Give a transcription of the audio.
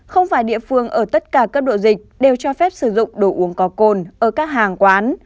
các cơ sở kinh doanh ở tất cả cấp độ dịch đều cho phép sử dụng đồ uống có côn ở các hàng quán